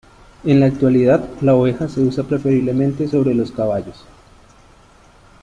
En la actualidad la oveja se usa preferentemente sobre los caballos.